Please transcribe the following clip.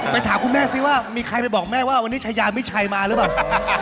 ถามคุณแม่ซิว่ามีใครไปบอกแม่ว่าวันนี้ชายามิชัยมาหรือเปล่า